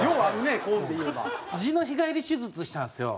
痔の日帰り手術したんですよ